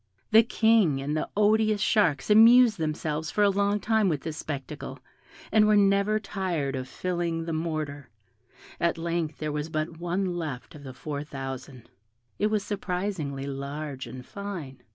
The King and the odious sharks amused themselves for a long time with this spectacle, and were never tired of filling the mortar; at length there was but one left of the four thousand; it was surprisingly large and fine.